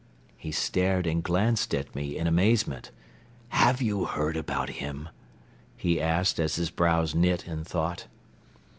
He stared and glanced at me in amazement. "Have you heard about him?" he asked, as his brows knit in thought.